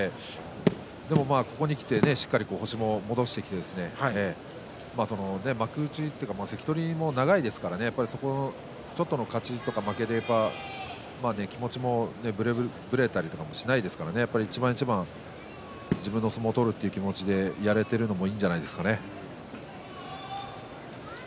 でもここにきてしっかり星も戻してきて幕内というか関取も長いですからねちょっとの勝ちとか負けとかで気持ちもぶれたりとかしないですからね一番一番自分の相撲が取れているところがいいんじゃないでしょうかね。